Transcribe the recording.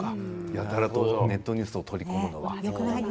やたらとネットニュースをとり込むのは。